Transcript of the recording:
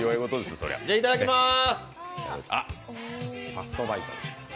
いただきまーす。